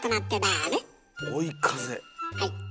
はい。